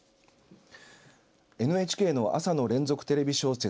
ＮＨＫの朝の連続テレビ小説